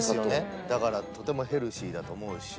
だからとてもヘルシーだと思うし。